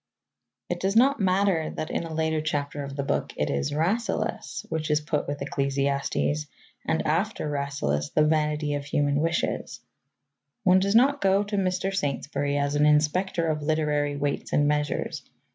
It does not matter that in a later chapter of the book it is Rasselas which is put with Ecclesiastes, and, after Rasselas, The Vanity of Human Wishes. One does not go to Mr. Saintsbury as an inspector of literary weights and measures.